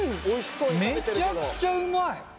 めちゃくちゃうまい！